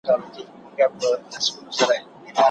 ټایپنګ ستاسو په ورځنیو چارو کي مرسته کوي.